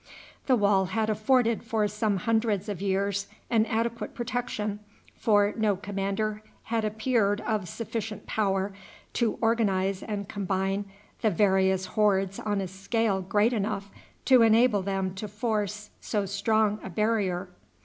The wall had afforded for some hundreds of years an adequate protection, for no commander had appeared of sufficient power to organize and combine the various hordes on a scale great enough to enable them to force so strong a barrier.